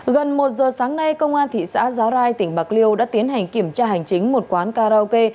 gần một giờ sáng nay công an thị xã giá rai tỉnh bạc liêu đã tiến hành kiểm tra hành chính một quán karaoke